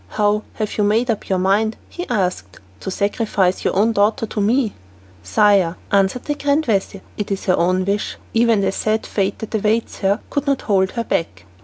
"How have you made up your mind," he asked, "to sacrifice your own daughter to me?" "Sire," answered the grand vizir, "it is her own wish. Even the sad fate that awaits her could not hold her back."